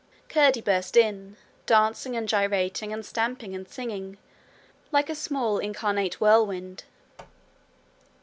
Curdie burst in dancing and gyrating and stamping and singing like a small incarnate whirlwind.